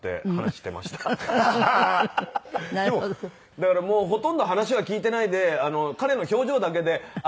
だからもうほとんど話は聞いてないで彼の表情だけであ